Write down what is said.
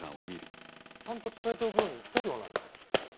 ちゃんと伝えておくように言ったではないか。